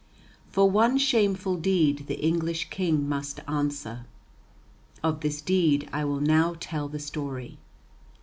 For one shameful deed the English King must answer. Of this deed I will now tell the story.